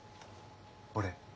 俺。